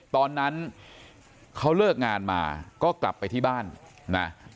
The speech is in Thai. ตอนนั้นเขาเลิกงานมาก็กลับไปที่บ้านนะ